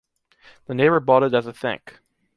The neighbor bought it as a thank.